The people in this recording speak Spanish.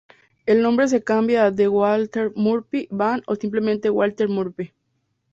El nombre se cambia a The Walter Murphy Band o simplemente Walter Murphy.